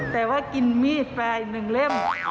แต่ว่ากินมีดแฟอีกหนึ่งเล่ม